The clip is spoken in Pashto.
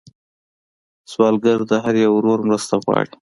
سوالګر د هر یو ورور مرسته غواړي